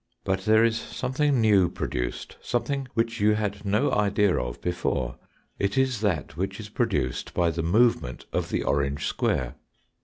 But there is something new produced, something which you had no idea of before ; it is that which is produced by the movement of the orange square.